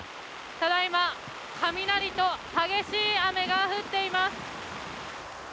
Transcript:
ただ今雷と激しい雨が降っています。